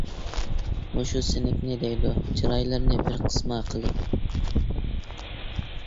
مۇشۇ سىنىپنى-دەيدۇ چىرايلىرىنى بىر قىسما قىلىپ.